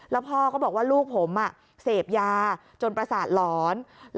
แล้วพ่อก็บอกว่าลูกผมเสพยาจนประสาทหลอน